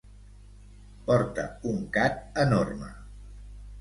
Porta un Cat enorme!